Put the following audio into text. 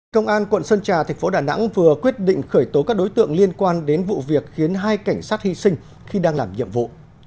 công an quận sơn trà thành phố đà nẵng vừa quyết định khởi tố các đối tượng liên quan đến vụ việc khiến hai cảnh sát hy sinh khi đang làm nhiệm vụ